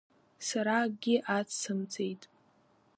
Сара акгьы ацсымҵеит.